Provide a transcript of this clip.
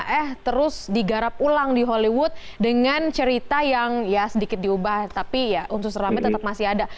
eh terus digarap ulang di hollywood dengan cerita yang ya sedikit diubah tapi ya unsur seramnya tetap masih ada